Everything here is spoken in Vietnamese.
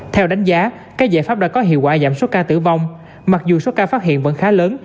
theo đánh giá các giải pháp đã có hiệu quả giảm số ca tử vong mặc dù số ca phát hiện vẫn khá lớn